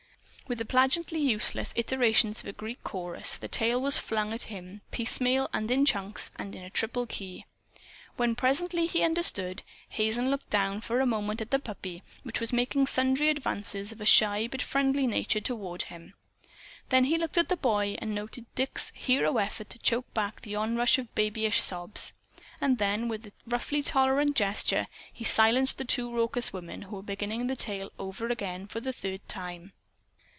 With the plangently useless iterations of a Greek chorus, the tale was flung at him, piecemeal and in chunks, and in a triple key. When presently he understood, Hazen looked down for a moment at the puppy which was making sundry advances of a shy but friendly nature toward him. Then he looked at the boy, and noted Dick's hero effort to choke back the onrush of babyish sobs. And then, with a roughly tolerant gesture, he silenced the two raucous women, who were beginning the tale over again for the third time.